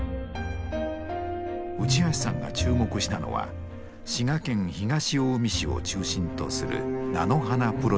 内橋さんが注目したのは滋賀県東近江市を中心とする菜の花プロジェクトです。